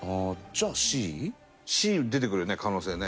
Ｃ出てくるよね可能性ね。